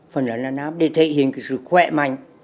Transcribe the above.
phần lớn là náp để thể hiện cái sự khỏe mạnh